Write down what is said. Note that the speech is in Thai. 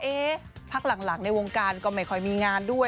พักหลังในวงการก็ไม่ค่อยมีงานด้วย